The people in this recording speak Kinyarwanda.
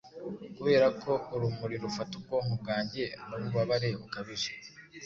Kuberako urumuri rufata ubwonko bwanjye Nububabare bukabije.